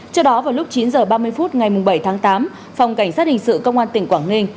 trước đó vào lúc chín h ba mươi phút ngày bảy tháng tám phòng cảnh sát hình sự công an tỉnh quảng ninh